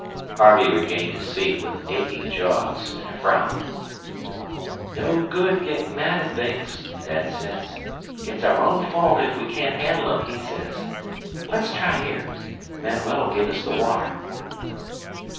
Harvey regained his seat with aching jaws and a frown. "No good gettin' mad at things, Dad says. It's our own fault ef we can't handle 'em, he says. Le's try here. Manuel 'll give us the water."